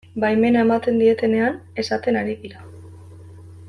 Baimena ematen dietenean esaten ari dira.